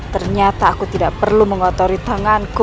ternyata aku tidak perlu mengotori tanganku